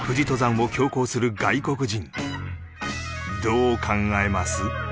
どう考えます？